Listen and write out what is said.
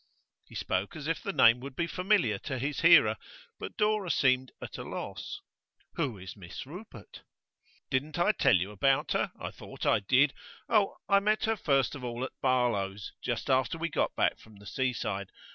He spoke as if the name would be familiar to his hearer, but Dora seemed at a loss. 'Who is Miss Rupert?' 'Didn't I tell you about her? I thought I did. Oh, I met her first of all at Barlow's, just after we got back from the seaside.